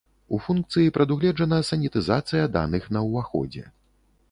У функцыі прадугледжана санітызацыя даных на ўваходзе.